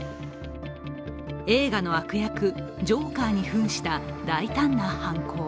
映画の悪役、ジョーカーにふんした大胆な犯行。